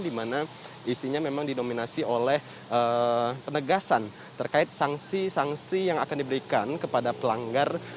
di mana isinya memang didominasi oleh penegasan terkait sanksi sanksi yang akan diberikan kepada pelanggar